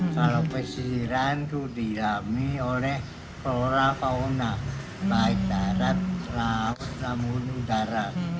kalau pesisiran itu diilami oleh flora fauna baik darat laut namun udara